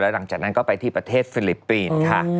หลังจากนั้นก็ไปที่ประเทศฟิลิปปินส์ค่ะ